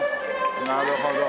なるほど。